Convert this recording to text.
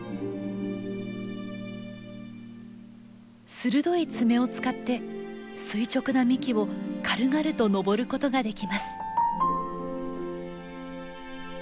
鋭い爪を使って垂直な幹を軽々と登ることができます。